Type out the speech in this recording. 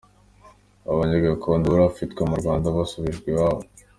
Abanyekongo bari bafatiwe mu Rwanda basubijwe iwabo